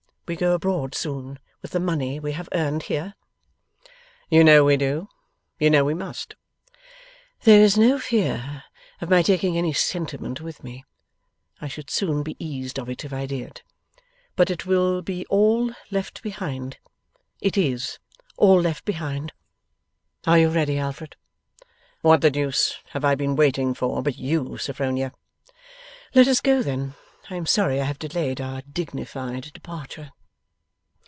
We go abroad soon, with the money we have earned here?' 'You know we do; you know we must.' 'There is no fear of my taking any sentiment with me. I should soon be eased of it, if I did. But it will be all left behind. It IS all left behind. Are you ready, Alfred?' 'What the deuce have I been waiting for but you, Sophronia?' 'Let us go then. I am sorry I have delayed our dignified departure.